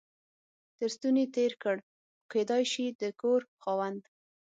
تر ستوني تېر کړ، کېدای شي د کور خاوند.